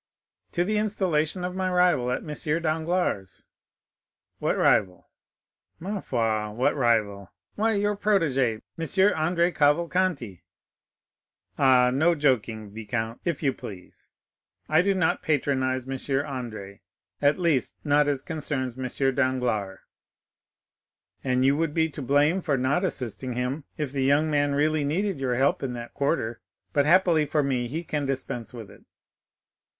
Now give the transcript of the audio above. "To the installation of my rival at M. Danglars'." "What rival?" "Ma foi! what rival? Why, your protégé, M. Andrea Cavalcanti!" "Ah, no joking, viscount, if you please; I do not patronize M. Andrea—at least, not as concerns M. Danglars." "And you would be to blame for not assisting him, if the young man really needed your help in that quarter, but, happily for me, he can dispense with it."